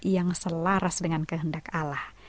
yang selaras dengan kehendak allah